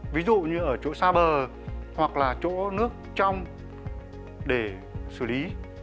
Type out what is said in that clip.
ví dụ như ở chỗ xa bờ hoặc là chỗ nước trong để xử lý